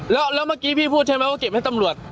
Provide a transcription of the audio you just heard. แล้วเมื่อกี้พี่พูดใช่ไหมว่าเก็บให้ตำรวจ